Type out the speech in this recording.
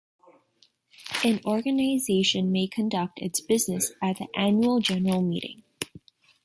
An organization may conduct its business at the annual general meeting.